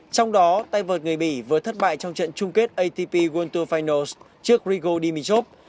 trong đó tay vợt người mỹ vừa thất bại trong trận chung kết atp world tour finals trước rigo dimitrov